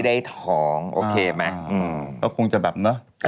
เดี๋ยวท้องมันจริงซะเลย